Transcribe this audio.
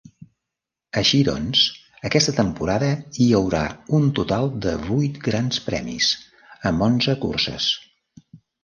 Així doncs, aquesta temporada hi haurà un total de vuit Grans Premis, amb onze curses.